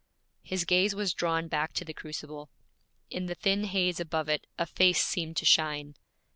His gaze was drawn back to the crucible. In the thin haze above it a face seemed to shine.